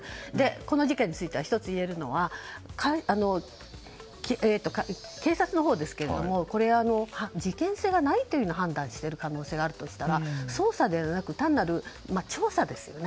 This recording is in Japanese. この事件について１ついえるのは警察のほうですが事件性がないというふうに判断をしている可能性があるとしたら捜査ではなく単なる調査ですよね。